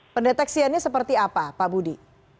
pendeteksiannya seperti apa pak budi